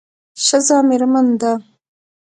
ښځه میرمن ده